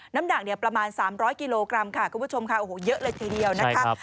น้ำหนักเนี่ยประมาณ๓๐๐กิโลกรัมค่ะคุณผู้ชมค่ะโอ้โหเยอะเลยทีเดียวนะคะ